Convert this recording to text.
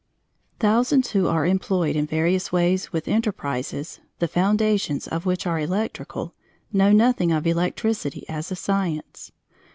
Thousands who are employed in various ways with enterprises, the foundations of which are electrical, know nothing of electricity as a science.